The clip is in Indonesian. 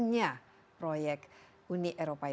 dan anak anak kita akan lebih baik